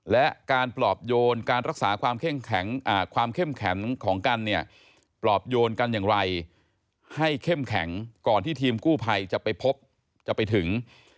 และการปลอบโยนการรักษาความเข้มแข็งของกันเนี่ยปลอบโยนกันอย่างไรให้เข้มแข็งก่อนที่ทีมกู้ภัยจะไปพบจะไปถึง